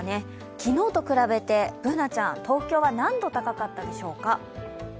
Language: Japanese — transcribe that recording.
昨日と比べてＢｏｏｎａちゃん、東京は何度高かったでしょうか？